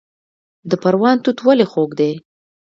د پروان توت ولې خوږ دي؟